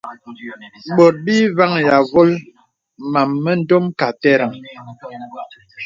Bòt bì vàŋhī āvōl màm mə ndòm kà àterəŋ.